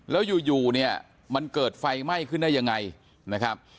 แล้วอยู่เนี่ยมันเกิดไฟไหม้ขึ้นได้ยังไงนะครับ